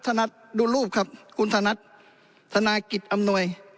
นัทดูรูปครับคุณธนัทธนายกิจอำนวย